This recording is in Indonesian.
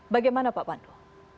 bagaimana pak pandu